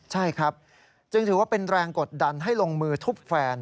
ใช่ครับจึงถือว่าเป็นแรงกดดันให้ลงมือทุบแฟน